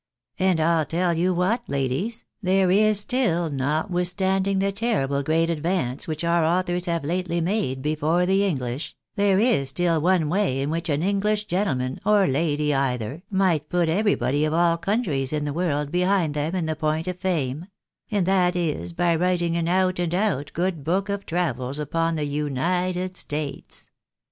And, I'll tell you what, ladies, there is still, notwithstanding the terrible great advance which our authors have lately made before the English, there is still one way in which an English gentlemen, or lady either, might put everybody of all countries in the world behind them in the point of fame ; and that is by writing an out and out good book of travels upon the United States.